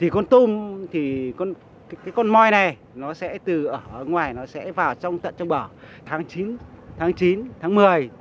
con tôm thì cái con mòi này nó sẽ từ ở ngoài nó sẽ vào trong tận trong bờ tháng chín tháng chín tháng một mươi